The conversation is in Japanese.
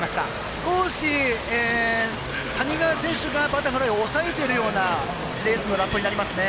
少し谷川選手がバタフライ抑えているようなレースのラップになりますね。